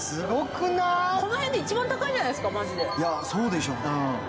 この辺で一番高いんじゃないですか、マジで。